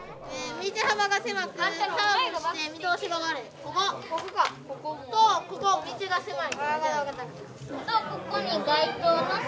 道が狭い。